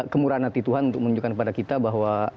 kemurahan hati tuhan untuk menunjukkan kepada kita bahwa